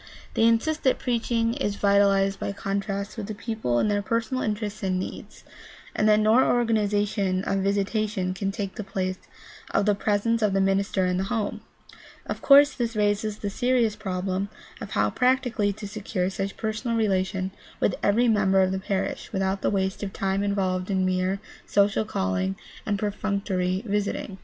They insist that preaching is vitalized by contact with the people in their personal interests and needs, and that no organization of visitation can take the place of the pres ence of the minister in the home. Of course this raises the serious problem of how practically to secure such personal relation with every member of the parish without the waste of time involved in mere social calling and perfunctory visiting.